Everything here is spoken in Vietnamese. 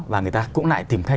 và người ta cũng lại tìm cách